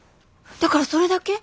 だからそれだけ？